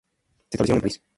Se establecieron en París.